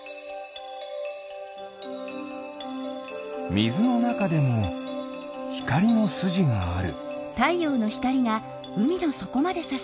みずのなかでもひかりのすじがある。